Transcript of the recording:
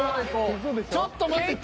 ちょっと待って。